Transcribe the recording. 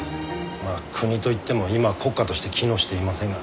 まあ国と言っても今は国家として機能していませんがね。